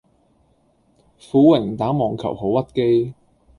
苦榮打網球好屈機